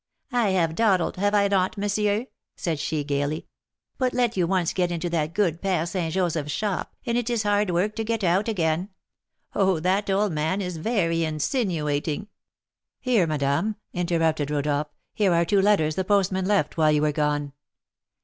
"I have dawdled, have I not, monsieur?" said she, gaily. "But let you once get into that good Père Joseph's shop, and it is hard work to get out again. Oh, that old man is a very insinuating " "Here, madame," interrupted Rodolph, "here are two letters the postman left while you were gone."